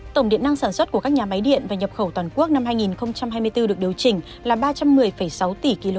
tổng điện năng sản xuất của các nhà máy điện và nhập khẩu của toàn quốc được điều chỉnh là một trăm một mươi một bốn trăm sáu mươi tám tỷ kwh